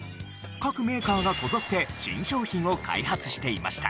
各メーカーがこぞって新商品を開発していました。